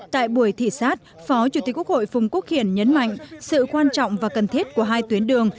tại buổi thị xát phó chủ tịch quốc hội phùng quốc hiển nhấn mạnh sự quan trọng và cần thiết của hai tuyến đường